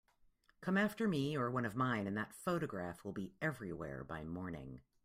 Come after me or one of mine, and that photograph will be everywhere by morning.